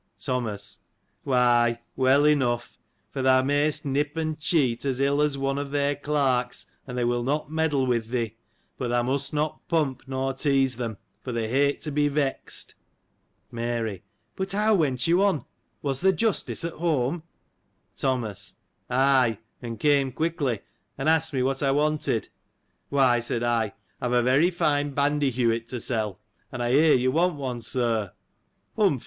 Thomas. — Why, well enough, for thou mayst nip and cheat, as ill as one of their clerks, and they will not meddle with thee : but thou must not pump, nor tease them, for they hate to be vexed. Mary. — But, how went you on. Was the Justice at home? Thomas.— Aj, and came quickly, and asked me what I want ed. Why, said I, I've a very fine bandyhewit to sell ; and I hear you want one, Sir. Humph !